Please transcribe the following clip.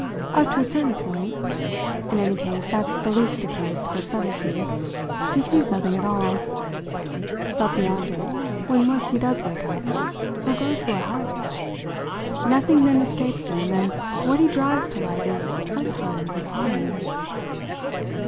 Up to a certain point, in any case that's the least a case for subtlety, he sees nothing at all; but beyond it when once he does wake up he'll go through a house. Nothing then escapes him, and what he drags to light is sometimes appalling."